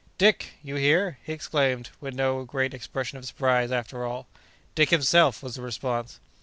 "Dick! you here?" he exclaimed, but with no great expression of surprise, after all. "Dick himself!" was the response.